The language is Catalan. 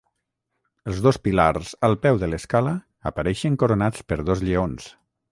Els dos pilars al peu de l'escala apareixen coronats per dos lleons.